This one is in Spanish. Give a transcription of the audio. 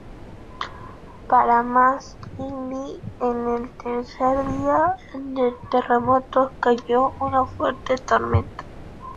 Para más inri, en el tercer día de terremotos cayó una fuerte tormenta.